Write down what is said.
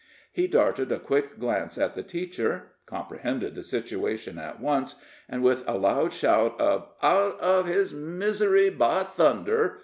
He darted a quick glance at the teacher, comprehended the situation at once, and with a loud shout of "Out of his misery, by thunder!"